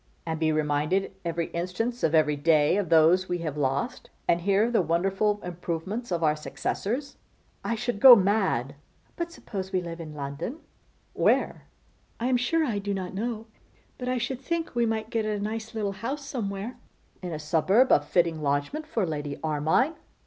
'And be reminded every instant of every day of those we have lost; and hear of the wonderful improvements of our successors. I should go mad.' 'But suppose we live in London?' 'Where?' 'I am sure I do not know; but I should think we might get a nice little house somewhere.' 'In a suburb! a fitting lodgment for Lady Armine.